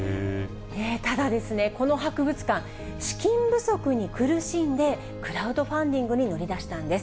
ただ、この博物館、資金不足に苦しんで、クラウドファンディングに乗り出したんです。